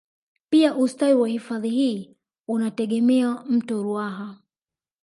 Pia ustawi wa hifadhi hii unategemea mto ruaha